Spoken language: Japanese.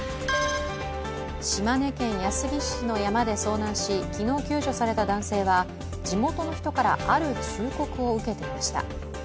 島根県安来市の山で遭難し昨日、救助された男性は地元の人からある忠告を受けていました。